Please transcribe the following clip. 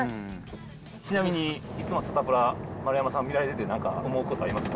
ちなみに、サタプラの丸山さん見られて、なんか思うことありますか？